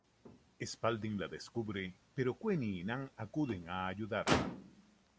Spalding la descubre, pero Queenie y Nan acuden a ayudarla.